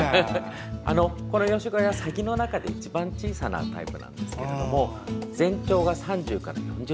このヨシゴイはサギの中で一番小さなタイプなんですけど全長が３０から４０ｃｍ。